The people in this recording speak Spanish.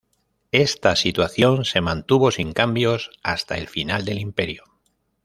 Esta situación se mantuvo sin cambios hasta el final del Imperio.